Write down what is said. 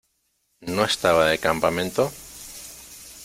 ¿ No estaba de campamento?